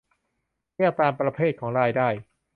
แยกตามประเภทของรายได้